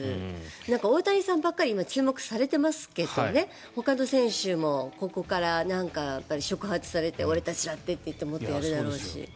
大谷さんばっかり今、注目されてますけどねほかの選手もここから触発されて俺たちだってってもっとやるだろうし。